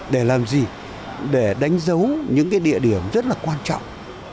để làm gì để đánh dấu những địa điểm rất là quan trọng